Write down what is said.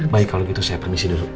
baik kalau gitu saya permisi dulu